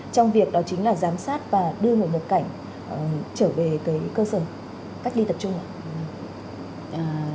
trong việc đó chính là giám sát và đưa người nhập cảnh trở về tới cơ sở cách ly tập trung